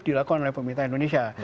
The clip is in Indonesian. dilakukan oleh pemerintah indonesia